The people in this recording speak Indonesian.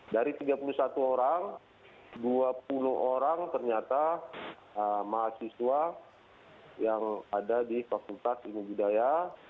dari tiga puluh satu orang dua puluh orang ternyata mahasiswa yang ada di fakultas ilmu budaya